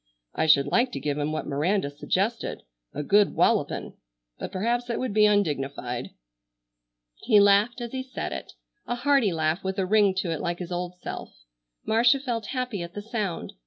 I should like to give him what Miranda suggested, a good 'wallupin',' but perhaps that would be undignified." He laughed as he said it, a hearty laugh with a ring to it like his old self. Marcia felt happy at the sound.